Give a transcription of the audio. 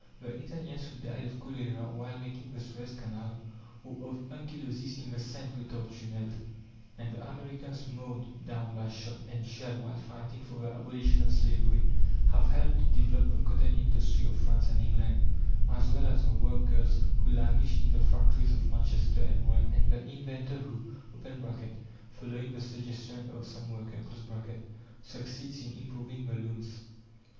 The Italians who died of cholera while making the Suez Canal, or of anchylosis in the St. Gothard Tunnel, and the Americans mowed down by shot and shell while fighting for the abolition of slavery, have helped to develop the cotton industry of France and England, as well as the work girls who languish in the factories of Manchester and Rouen, and the inventor who (following the suggestion of some worker) succeeds in improving the looms.